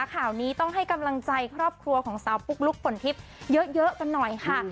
ข่าวนี้ต้องให้กำลังใจครอบครัวของสาวปุ๊กลุ๊กฝนทิพย์เยอะกันหน่อยค่ะ